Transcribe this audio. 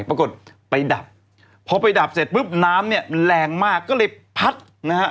ปรากฏไปดับพอไปดับเสร็จปุ๊บน้ำเนี่ยแรงมากก็เลยพัดนะฮะ